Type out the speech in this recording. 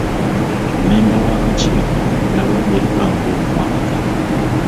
Mmemba w'akakiiko yalondeddwa ng'omuwanika.